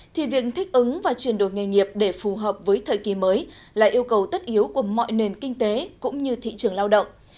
thì việc thích ứng và chuyển đổi nghề nghiệp để phù hợp với thời kỳ mới là yêu cầu tất yếu của mọi nền kinh tế cũng như thị trường lao động